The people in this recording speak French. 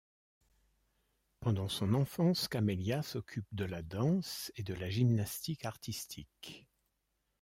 Pendant son enfance, Camellia s'occupe de la danse et de la gymnastique artistique.